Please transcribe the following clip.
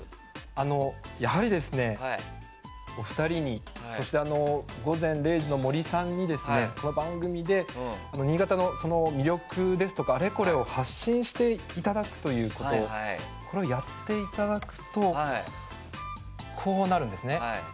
やはり、お二人にそして「午前０時の森」さんに新潟の魅力ですとかあれこれを発信していただくということこれをやっていただくとこうなるんですね。